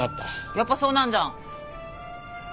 やっぱそうなんじゃん。